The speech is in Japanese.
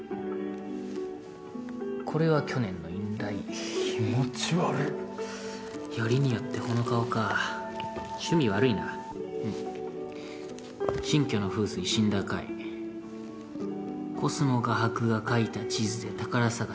これは去年のインライ気持ち悪っよりによってこの顔か趣味悪いなうん新居の風水死んだ回コスモ画伯が描いた地図で宝探し